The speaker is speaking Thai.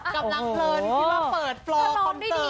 กำลังเพลินคิดว่าเปิดฟลอคอมเติร์ตเนี่ย